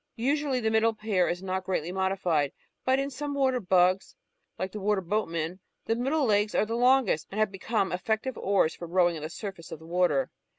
Usually the middle pair is not greatly modified, but in some water bugs, like the Water boatman, the middle legs are the longest and have become eflPective oars for row ing on the surface of the water.